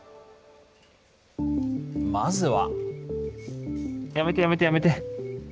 まずは。